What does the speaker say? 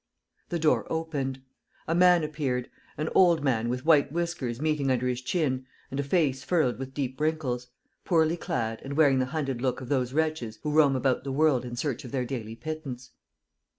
The door opened. A man appeared, an old man with white whiskers meeting under his chin and a face furrowed with deep wrinkles, poorly clad and wearing the hunted look of those wretches who roam about the world in search of their daily pittance.